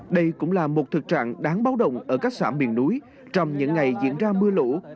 đây cũng là một thực trạng đáng báo động ở các xã miền núi trong những ngày diễn ra mưa lũ